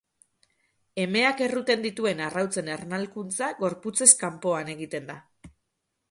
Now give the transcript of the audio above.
Emeak erruten dituen arrautzen ernalkuntza gorputzez kanpoan egiten da.